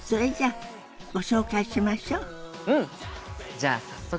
じゃあ早速。